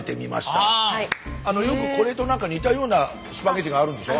よくこれとなんか似たようなスパゲッティがあるんでしょ？